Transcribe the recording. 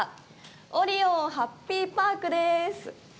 オリオンハッピーパークでーす。